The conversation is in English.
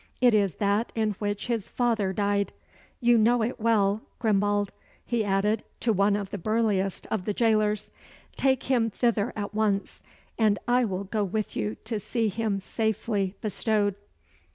It is that in which his father died. You know it well, Grimbald," he added, to one of the burliest of the jailers. "Take him thither at once, and I will go with you to see him safely bestowed.